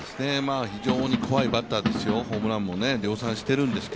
非常に怖いバッターですよ、ホームランも量産しているんですよ。